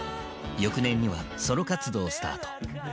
翌年にはソロ活動をスタート。